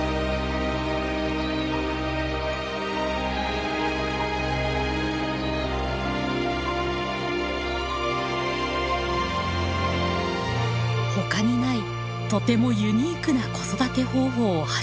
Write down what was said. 他にないとてもユニークな子育て方法を始めたアシカ。